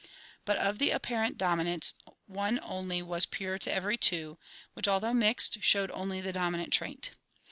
But of the apparent dominants one only was pure to every two which, al though mixed, showed only the dominant trait.